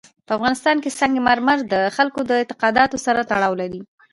په افغانستان کې سنگ مرمر د خلکو د اعتقاداتو سره تړاو لري.